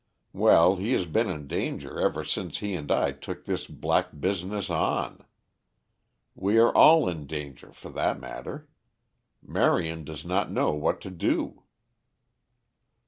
Well, he has been in danger ever since he and I took this black business on. We are all in danger for that matter. Marion does not know what to do."